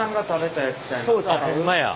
ほんまや。